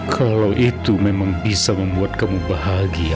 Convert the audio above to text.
kalau itu memang bisa membuat kamu bahagia